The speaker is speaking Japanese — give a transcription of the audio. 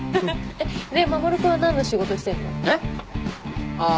で守君は何の仕事してんの？えっ？あ。